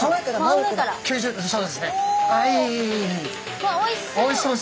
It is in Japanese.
うわっおいしそう！